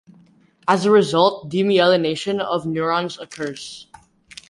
As a result, demyelination of neurons occurs.